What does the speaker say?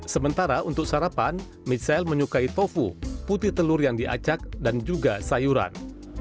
sementara untuk sarapan michelle menyukai tofu putih telur yang diacak dan juga sayuran